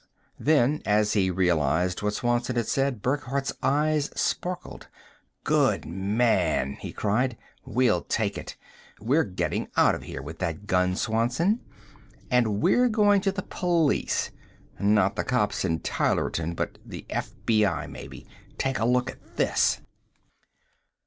Then, as he realized what Swanson had said, Burckhardt's eyes sparked. "Good man!" he cried. "We'll take it. We're getting out of here with that gun, Swanson. And we're going to the police! Not the cops in Tylerton, but the F.B.I., maybe. Take a look at this!"